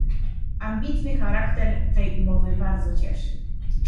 Ambitny charakter tej umowy bardzo cieszy